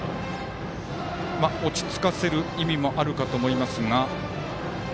落ち着かせる意味もあるかと思いますが。